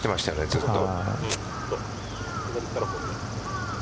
ずっと。